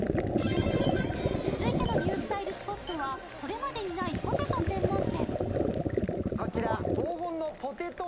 続いてのニュースタイルスポットはこれまでにないポテト専門店。